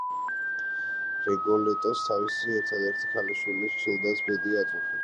რიგოლეტოს თავისი ერთადერთი ქალიშვილის, ჯილდას ბედი აწუხებს.